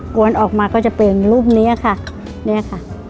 วนออกมาก็จะเป็นรูปนี้ค่ะเนี่ยค่ะ